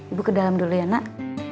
ibu ke dalam dulu ya nak